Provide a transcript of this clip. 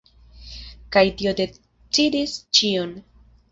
Kaj tio decidis ĉion.